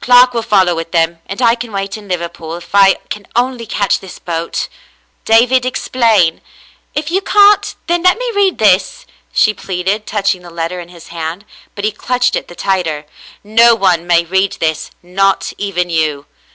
"Clark will follow with them, and I can wait in Liver pool, if I can only catch this boat." "David, explain. If you can't, then let me read this," she pleaded, touching the letter in his hand; but he clutched it the tighter. "No one may read this, not even you."